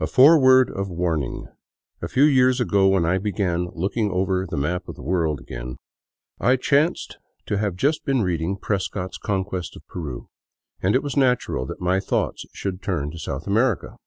A FOREWORD OF WARNING A few years ago, when I began looking over the map of the world again, I chanced to have just been reading Prescott's Conquest of Peru," and it was natural that my thoughts should turn to South America.